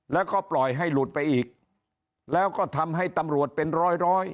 แล้วก็ปล่อยให้หลุดไปอีกแล้วก็ทำให้ตำรวจเป็นร้อยร้อย